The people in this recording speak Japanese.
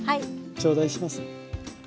頂戴します。